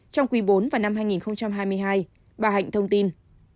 trong quý bốn và năm hai nghìn hai mươi hai bà hạnh thông tin